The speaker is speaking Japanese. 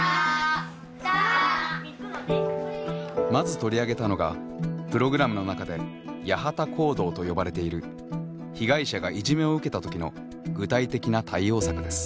まず取り上げたのがプログラムの中でやはた行動と呼ばれている被害者がいじめを受けた時の具体的な対応策です。